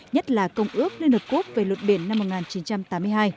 nhất là công ước liên hợp quốc về luật biển năm một nghìn chín trăm tám mươi hai